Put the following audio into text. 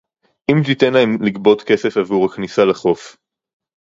אם תיתן להם לגבות כסף עבור הכניסה לחוף